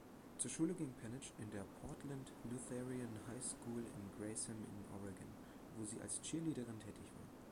Zur Schule ging Peniche in der Portland Lutheran High School in Gresham in Oregon, wo sie als Cheerleaderin tätig war.